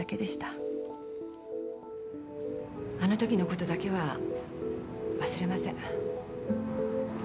あのときのことだけは忘れません。